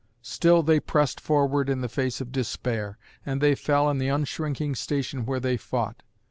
Still they pressed forward in the face of despair, and they fell in the unshrinking station where they fought.